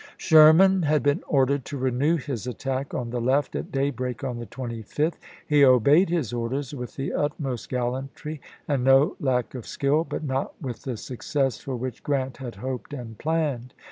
Sherman had been ordered to renew his attack on Nov., 1863. the left at daybreak on the 25th. He obeyed his orders with the utmost gallantry and no lack of skill, but not with the success for which Grant had hoped and planned.